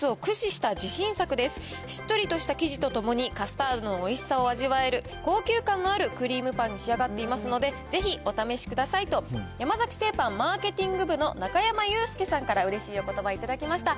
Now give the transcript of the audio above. しっとりとした生地とともに、カスタードのおいしさを味わえる、高級感のあるクリームパンに仕上がっていますので、ぜひお試しくださいと、山崎製パンマーケティング部の中山雄介さんから、うれしいおことば頂きました。